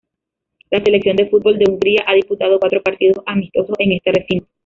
La selección de fútbol de Hungría ha disputado cuatro partidos amistosos en este recinto.